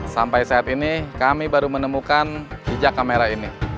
sampai saat ini kami baru menemukan jejak kamera ini